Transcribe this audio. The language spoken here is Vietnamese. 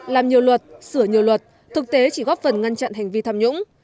làm nhiều luật sửa nhiều luật thực tế chỉ góp phần ngăn chặn hành vi tham nhũng